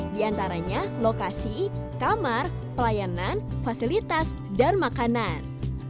di antaranya lokasi kamar pelayanan fasilitas dan makanan